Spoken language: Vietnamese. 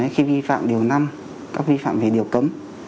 khi vi phạm điều năm các vi phạm về điều cấm